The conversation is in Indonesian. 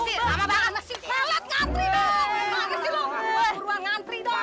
tidak ada yang bisa mengangkutnya